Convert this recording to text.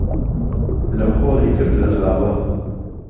له قۆڵی کرد لغاوه